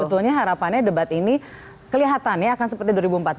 sebetulnya harapannya debat ini kelihatannya akan seperti dua ribu empat belas